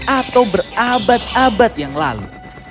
atau berabad abad yang lalu